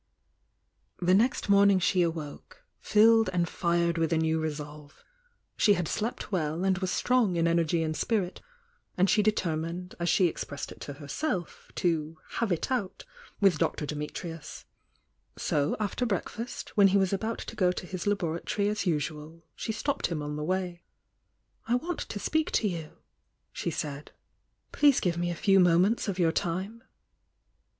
The next morning she awoke, filled and fired with s new resolve. She had slept well and waa strong m eneror and spirit, and she determined, as she expre^ d it to herself, to "have it out" with Dr Dimitrius. So after breakfast, when he was about to go to his laboratory as usual, she stopped him on the way. "I want to speak to you," she said. "Please give me a few moments of your time."